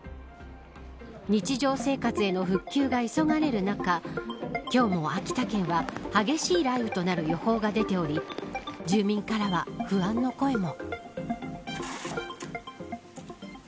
日常生活への復旧が急がれる中今日も秋田県は激しい雷雨となる予報が出ており住民からは不安の声も。